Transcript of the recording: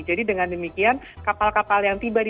jadi dengan demikian kapal kapal yang tiba di bekahuni